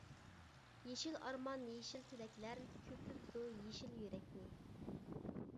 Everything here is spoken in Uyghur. يېشىل ئارمان يېشىل تىلەكلەر، كۆكلىتىدۇ يېشىل يۈرەكنى.